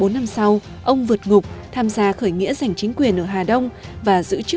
bốn năm sau ông vượt ngục tham gia khởi nghĩa giành chính quyền ở hà đông